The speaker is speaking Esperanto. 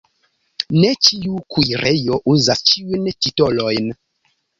Ne ĉiu kuirejo uzas ĉiujn titolojn.